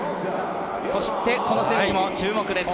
そしてこの選手も注目です。